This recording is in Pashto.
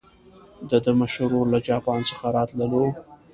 د ده مشر ورور له جاپان څخه راتللو.